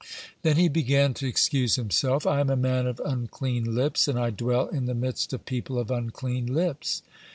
(34) Then he began to excuse himself: "I am a man of unclean lips, and I dwell in the midst of people of unclean lips."